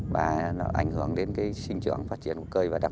và các cơ quan chức năng của huyện lục nam tỉnh bắc giang đã xuất hiện dài rác